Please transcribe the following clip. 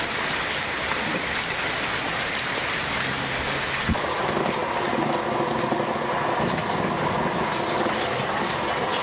พร้อมทุกสิทธิ์